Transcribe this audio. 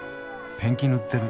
ペンキ塗ってる。